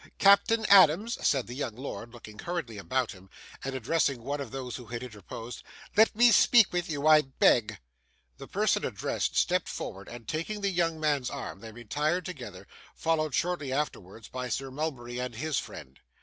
Captain Adams,' said the young lord, looking hurriedly about him, and addressing one of those who had interposed, 'let me speak with you, I beg.' The person addressed stepped forward, and taking the young man's arm, they retired together, followed shortly afterwards by Sir Mulberry and his friend.